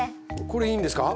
これいいんですか？